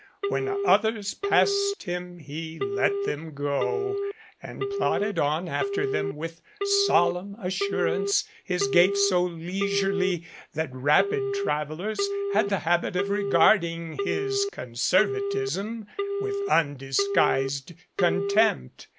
When others passed him he let them go, and plodded on after them with solemn assurance, his gait so leisurely that rapid travelers had the habit of regarding his conservatism with undisguised contempt.